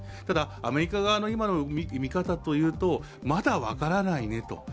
ただ、アメリカ側の今の見方というとまだ分からないねと。